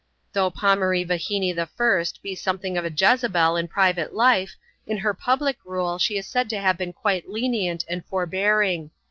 Though Pomai'ee Vahinee I. be something of a Jezebel in private life, in her public rule she is said to have been quite lenient and forbearing.